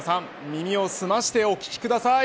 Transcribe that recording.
耳を澄ましてお聞きください。